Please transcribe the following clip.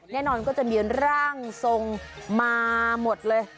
แน่นอนก็จะมีร่างทรงมาหมดเลย